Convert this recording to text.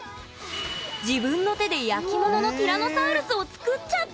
自分の手で焼き物のティラノサウルスを作っちゃった！